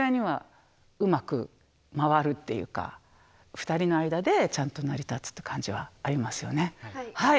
２人の間でちゃんと成り立つっていう感じはありますよね。